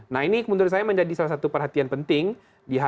nah ini menurut saya menjadi salah satu perhatian penting di hp